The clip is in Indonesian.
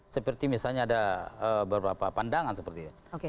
seperti misalnya ada beberapa pandangan seperti itu